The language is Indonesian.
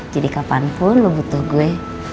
jadi kapanpun lo butuh gue